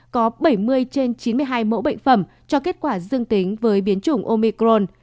có bảy mươi trên chín mươi hai mẫu bệnh phẩm cho kết quả dương tính với biến chủng omicron